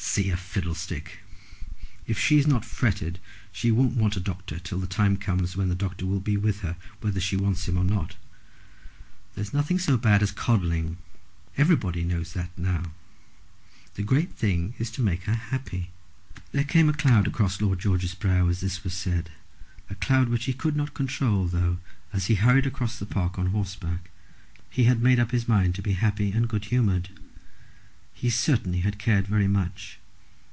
"See a fiddlestick. If she's not fretted she won't want a doctor till the time comes when the doctor will be with her whether she wants him or not. There's nothing so bad as coddling. Everybody knows that now. The great thing is to make her happy." There came a cloud across Lord George's brow as this was said, a cloud which he could not control, though, as he had hurried across the park on horseback, he had made up his mind to be happy and good humoured. He certainly had cared very much.